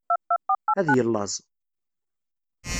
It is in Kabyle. Ad yellaẓ.